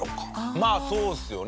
まあそうですよね。